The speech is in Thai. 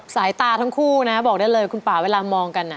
สายตาทั้งคู่นะบอกได้เลยคุณป่าเวลามองกัน